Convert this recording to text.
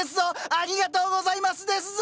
ありがとうございますですぞ！